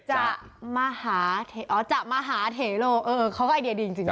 จะมหาเทโรอ๋อจะมหาเทโรเขาก็ไอเดียดีจริงนะ